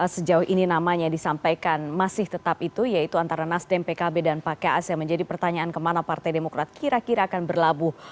sejauh ini namanya disampaikan masih tetap itu yaitu antara nasdem pkb dan pak kas yang menjadi pertanyaan kemana partai demokrat kira kira akan berlabuh